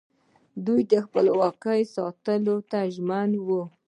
دوی خپلواکي ساتلو ته ژمن وو